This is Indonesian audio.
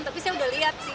saya sudah lihat sih